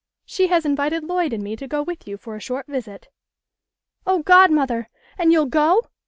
She has invited Lloyd and me to go with you for a short visit." " Oh, godmother ! And you'll go